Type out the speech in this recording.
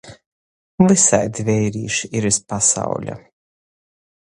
Vysaidi veirīši ir iz pasauļa.